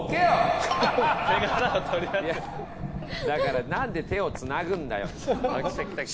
だからなんで手をつなぐんだよ。